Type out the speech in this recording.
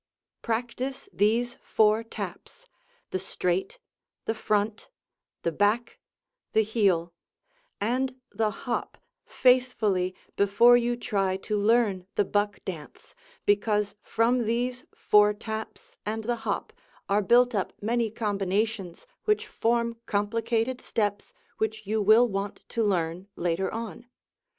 Practice these four taps, the straight, the front, the back, the heel, and the hop faithfully before you try to learn the buck dance, because from these four taps and the hop are built up many combinations which form complicated steps which you will want to learn later on.